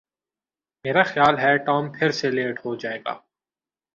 میرا خیال ہے ٹام پھر سے لیٹ ہو جائے گا